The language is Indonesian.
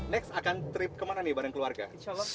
next akan trip kemana nih bareng keluarga